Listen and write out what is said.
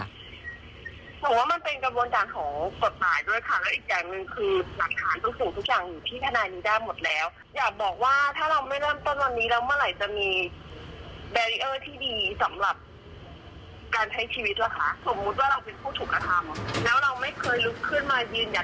อาจจะบอกเลยใครจะมายืนอยากให้กับเรา